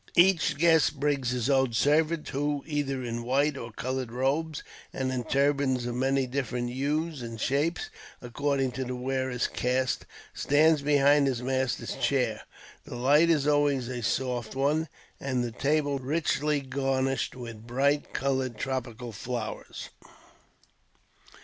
Each guest brings his own servant, who, either in white or coloured robes, and in turbans of many different hues and shapes, according to the wearer's caste, stands behind his master's chair. The light is always a soft one, and the table richly garnished with bright coloured tropical flowers.